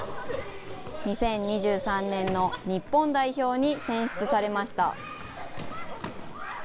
２０２３年の日本代表に選出されました。